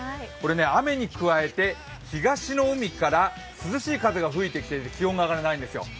雨に加えて、東の海から涼しい風が吹いてきているので気温が上がらないんですよ。